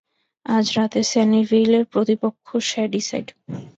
আজ রাতে সানিভেইলের প্রতিপক্ষ শ্যাডিসাইড।